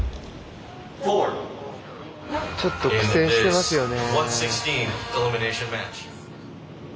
ちょっと苦戦してますよね。